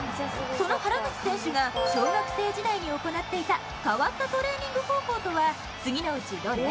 その原口選手が小学生時代に行っていた変わったトレーニング方法とは次のうちどれ？